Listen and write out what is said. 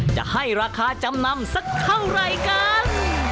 จะให้ราคาจำนำสักเท่าไหร่กัน